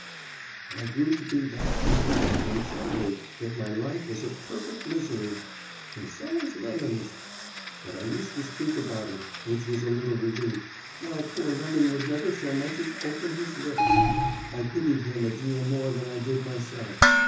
"I grew to be that shaky and trembly that my life was a perfect misery; and so was Lemon's. But I used to speak about it, which was a little relief, while poor Lemon would never so much as open his lips. I pitied him a deal more than I did myself.